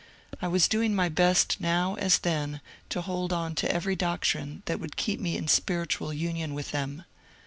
I was doing my best now as then to hold on to every doctrine that would keep me in spiritual union with them.